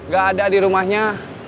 gak ada di rumahnya